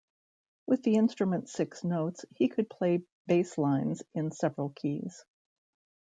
With the instrument's six notes, he could play bass lines in several keys.